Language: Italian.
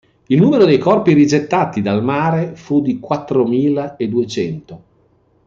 Il numero dei corpi rigettati dal mare fu di quattromila e duecento.